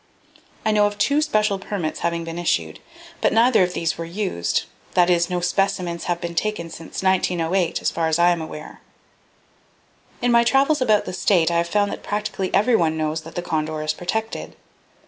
I know of two special permits having been issued, but neither of these were used; that is, no 'specimens' have been taken since 1908, as far as I am aware. "In my travels about the state, I have found that practically everyone knows that the condor is protected.